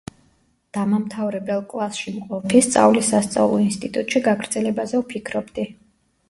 დამამთავრებელ კლასში მყოფი, სწავლის სასწავლო ინსტიტუტში გაგრძელებაზე ვფიქრობდი.